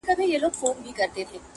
چي يې زړونه سوري كول د سركښانو.!